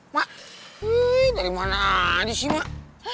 mak dari mana aja sih mak